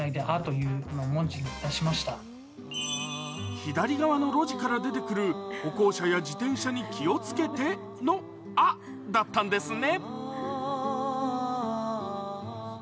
左側の路地から出てくる歩行者や自転車に気をつけての「あっ！」だったんですね。